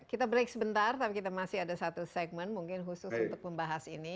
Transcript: kita break sebentar tapi kita masih ada satu segmen mungkin khusus untuk membahas ini